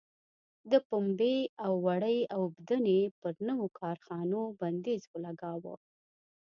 د پنبې او وړۍ اوبدنې پر نویو کارخونو بندیز ولګاوه.